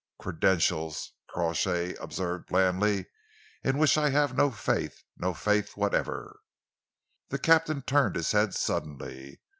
"Credentials," Crawshay observed blandly, "in which I have no faith no faith whatever." The captain turned his head suddenly.